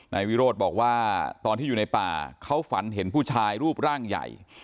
นายวิโรธบอกว่าตอนที่อยู่ในป่าเขาฝันเห็นผู้ชายรูปร่างใหญ่